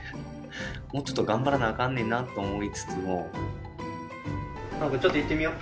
もうちょっと頑張らなあかんねんなと思いつつも。